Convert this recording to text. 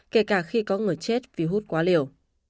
kể cả khi có người chết vì hút quá liều